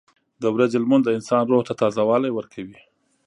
• د ورځې لمونځ د انسان روح ته تازهوالی ورکوي.